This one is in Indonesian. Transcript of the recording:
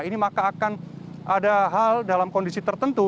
ini maka akan ada hal dalam kondisi tertentu